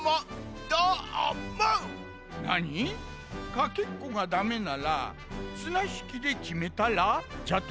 かけっこがだめならつなひきできめたら？じゃと？